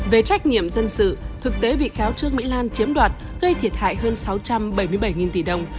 về trách nhiệm dân sự thực tế bị cáo trương mỹ lan chiếm đoạt gây thiệt hại hơn sáu trăm bảy mươi bảy tỷ đồng